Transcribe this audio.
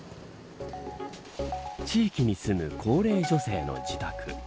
地域に住む高齢女性の自宅。